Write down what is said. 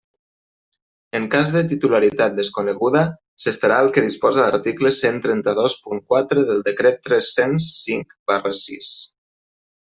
En cas de titularitat desconeguda s'estarà al que disposa l'article cent trenta-dos punt quatre del Decret tres-cents cinc barra sis.